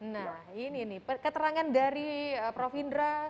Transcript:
nah ini nih keterangan dari prof indra